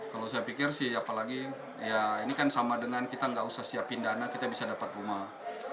kalau saya pikir sih apalagi ya ini kan sama dengan kita nggak usah siapin dana kita bisa dapat rumah